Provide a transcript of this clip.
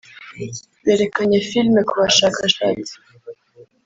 berekanye filime ku bashakashatsi